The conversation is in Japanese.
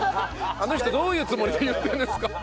「あの人どういうつもりで言ってるんですか？」。